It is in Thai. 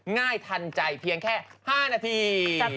ง่ายทันใจเพียงแค่๕นาที